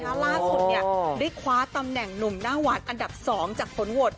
แล้วล่าสุดเนี่ยได้คว้าตำแหน่งหนุ่มหน้าหวานอันดับสองจากผลโหวด